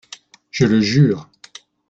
Je le jure.